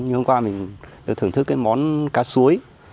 ngày hôm qua mình được thưởng thức cái món cá suối